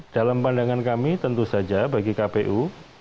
dalam pandangan kami tentu saja bagi kpu